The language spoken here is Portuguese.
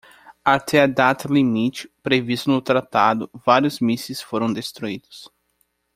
Até a data-limite, prevista no tratado, vários mísseis foram destruídos.